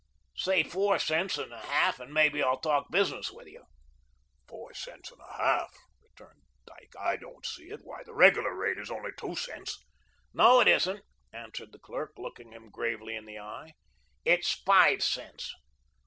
Say FOUR cents and a half and maybe I'll talk business with you." "Four cents and a half," returned Dyke, "I don't see it. Why, the regular rate is only two cents." "No, it isn't," answered the clerk, looking him gravely in the eye, "it's five cents."